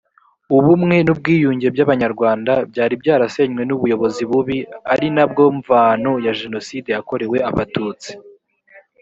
ubumwe n’ubwiyunge by’abanyarwanda byari byarasenywe n’ubuyobozi bubi ari na bwo mvano ya jenoside yakorewe abatutsi